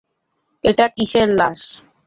এটা কিসের লাশ?